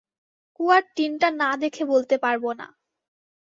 কুয়ার টিনটা না-দেখে বলতে পারব না।